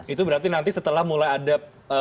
itu berarti nanti setelah mulai ada